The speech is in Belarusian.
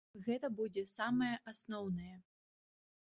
Гэта будзе самае асноўнае.